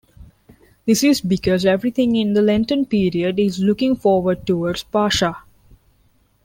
This is because everything in the Lenten period is looking forward towards Pascha.